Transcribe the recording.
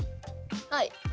はい。